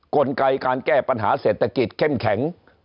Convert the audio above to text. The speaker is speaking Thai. กลไกการแก้ปัญหาเศรษฐกิจเข้มแข็ง